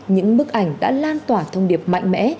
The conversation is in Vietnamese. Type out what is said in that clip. những bức ảnh đã lan tỏa thông điệp mạnh mẽ